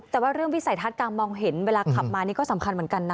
แต่ว่าเรื่องวิสัยทัศน์การมองเห็นเวลาขับมานี่ก็สำคัญเหมือนกันนะ